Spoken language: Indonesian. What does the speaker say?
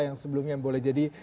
yang sebelumnya boleh jadi